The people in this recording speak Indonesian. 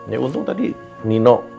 ya untung tadi nino